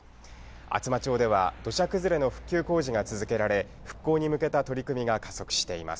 厚真町では土砂崩れの復旧工事が続けられ、復興に向けた取り組みが加速しています。